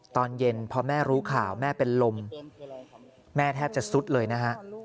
ตอนเย็นพอแม่รู้ข่าวแม่เป็นลมแม่แทบจะสุดเลยนะฮะ